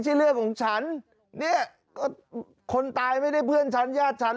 ใช่เรื่องฉันคนตายไม่ได้เพื่อนฉันญาติฉัน